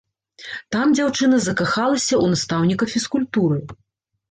Там дзяўчына закахалася ў настаўніка фізкультуры.